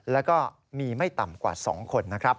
แล้วก็มีไม่ต่ำกว่า๒คนนะครับ